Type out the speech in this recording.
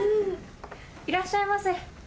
いらっしゃいませ。